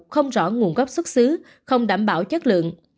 không rõ nguồn gốc xuất xứ không đảm bảo chất lượng